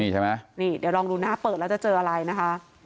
เดี๋ยวลองดูหน้าเปิดแล้วจะเจออะไรนะครับ